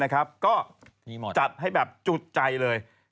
ก็จัดให้แบบจุดใจเลย